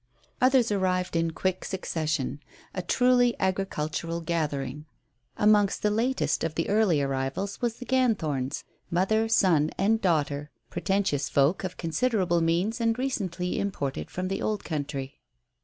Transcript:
Others arrived in quick succession; a truly agricultural gathering. Amongst the latest of the early arrivals were the Ganthorns; mother, son, and daughter, pretentious folk of considerable means, and recently imported from the Old Country.